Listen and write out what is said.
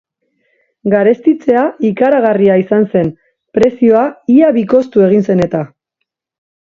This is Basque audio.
Garestitzea ikaragarria izan zen, prezioa ia bikoiztu egin zen eta.